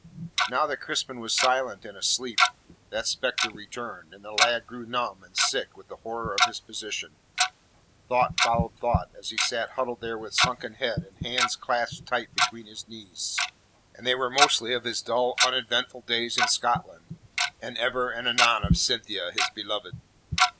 Now that Crispin was silent and asleep, that spectre returned, and the lad grew numb and sick with the horror of his position. Thought followed thought as he sat huddled there with sunken head and hands clasped tight between his knees, and they were mostly of his dull uneventful days in Scotland, and ever and anon of Cynthia, his beloved.